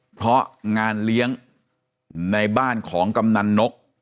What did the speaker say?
เพราะงานเลี้ยงในบ้านของกำนันนก